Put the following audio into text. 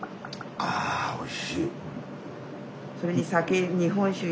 おいしい。